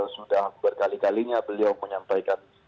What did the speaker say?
sudah berkali kalinya beliau menyampaikan